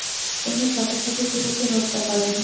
তিনি শত শত জুলুকে হত্যা করেন।